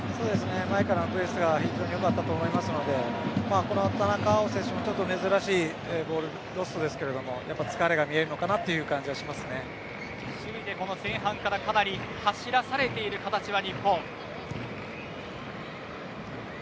前からのプレスが非常に良かったと思いますので田中碧選手も珍しいボールロストですけれどちょっと疲れが見えるのかな守備で、この前半からかなり走らされている形は日本。